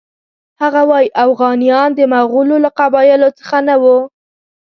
هغه وایي اوغانیان د مغولو له قبایلو څخه نه وو.